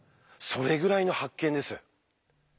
それぐらいの発見です。